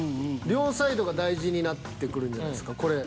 両サイドが大事になってくるんじゃないですかこれ。